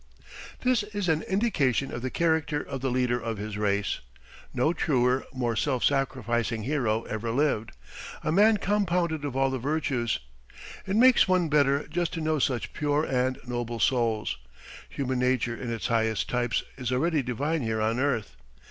This is an indication of the character of the leader of his race. No truer, more self sacrificing hero ever lived: a man compounded of all the virtues. It makes one better just to know such pure and noble souls human nature in its highest types is already divine here on earth.